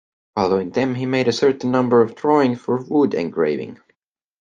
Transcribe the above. Following them, he made a certain number of drawings for wood-engraving.